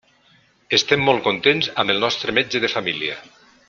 Estem molt contents amb el nostre metge de família.